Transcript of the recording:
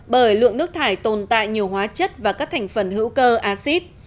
bởi lượng nước thải tồn tại nhiều hóa chất và các thành phần hữu cơ acid